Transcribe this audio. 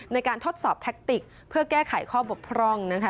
ทดสอบแทคติกเพื่อแก้ไขข้อบกพร่องนะคะ